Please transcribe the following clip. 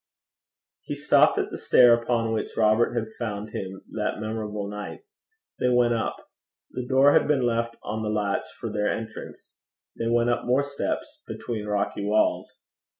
He stopped at the stair upon which Robert had found him that memorable night. They went up. The door had been left on the latch for their entrance. They went up more steps between rocky walls.